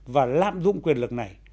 và lạm dụng quyền lực này